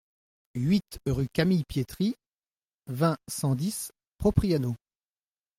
huit rue Camille Pietri, vingt, cent dix, Propriano